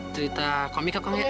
cerita komik ya kong